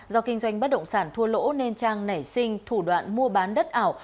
do kinh doanh bất động sản thua lỗ nên trang nảy sinh thủ đoạn mua bán đất ảo